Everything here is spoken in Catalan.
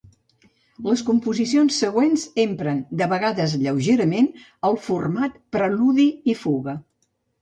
Les composicions següents empren, de vegades lleugerament, el format Preludi-i-Fuga.